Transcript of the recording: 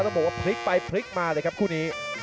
พูดว่าพลิกไปพลิกมาเลยครับคู่นี้